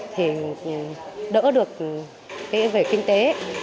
thì đỡ được cái về kinh tế